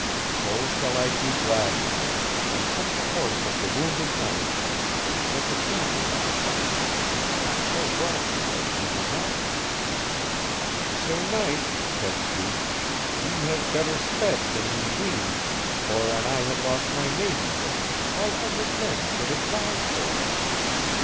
So shall I do gladly: and took the horse of the wounded knight, and set the gentlewoman upon him, and so brought her as she desired. Sir knight, said she, ye have better sped than ye weened, for an I had lost my maidenhead, five hundred men should have died for it.